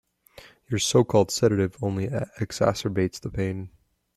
Your so-called sedative only exacerbates the pain.